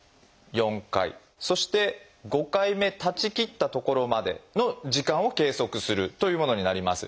そして５回目立ちきったところまでの時間を計測するというものになります。